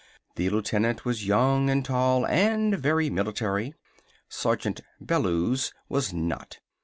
The lieutenant was young and tall and very military. Sergeant Bellews was not.